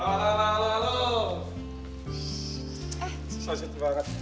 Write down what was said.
susah sih terima kasih